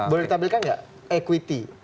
boleh ditampilkan gak equity